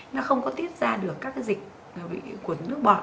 nó không có tiết ra được các cái dịch của nước bọt